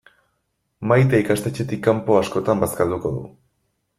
Maite ikastetxetik kanpo askotan bazkalduko du.